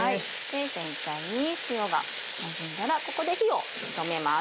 全体に塩がなじんだらここで火を止めます。